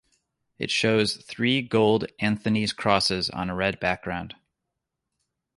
It shows three gold Anthony's crosses on a red background.